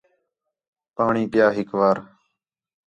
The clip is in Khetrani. پاݨی پِیاں ہِک وار